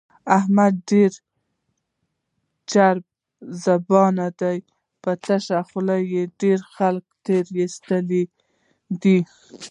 احمد ډېر چرب زبان دی، په تشه خوله یې ډېر خلک تېر ایستلي دي.